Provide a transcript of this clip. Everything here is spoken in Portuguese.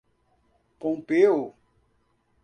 Pompéu